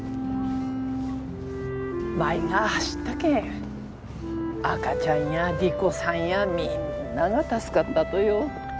舞が走ったけん赤ちゃんや莉子さんやみんなが助かったとよ。